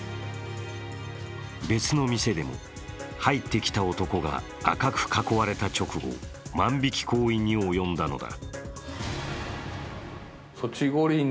別の店でも、入ってきた男が赤く囲われた直後、万引き行為に及んだのだ。